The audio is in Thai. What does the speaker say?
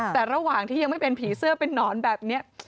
แต่ระหว่างที่ยังไม่เป็นผีเสื้อเป็นนอนแบบนี้